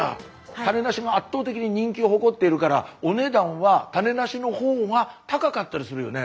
種なしが圧倒的に人気を誇っているからお値段は種なしの方が高かったりするよね。